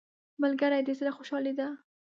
ملګری د زړه خوشحالي ده